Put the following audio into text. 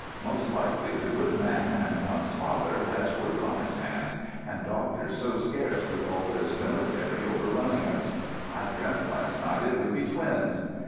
Most likely the good man, Antoine's father, has work on his hands, and doctors so scarce with all this military overrunning us. I dreamt last night it would be twins.